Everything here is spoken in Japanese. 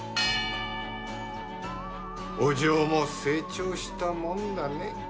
お嬢も成長したもんだね。